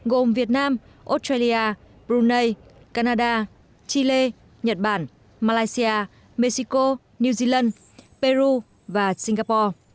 gồm việt nam australia brunei canada chile nhật bản malaysia mexico new zealand peru và singapore